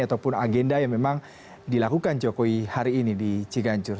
ataupun agenda yang memang dilakukan jokowi hari ini di ciganjur